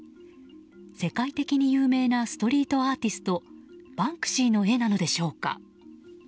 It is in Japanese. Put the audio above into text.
世界的に有名なストリートアーティストバンクシーの絵なのでしょうか。